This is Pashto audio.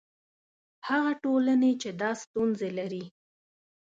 هغه ټولنې چې دا ستونزې لري.